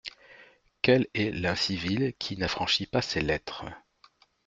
Quel est l’incivil qui n’affranchit pas ses lettres ?